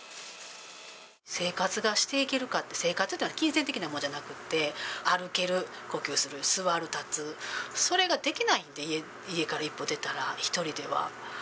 生活がしていけるかって、生活というのは金銭的なものじゃなくって、歩ける、呼吸する、座る、立つ、それができないって、家から一歩出たら、１人では。